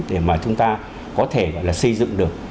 để mà chúng ta có thể gọi là xây dựng được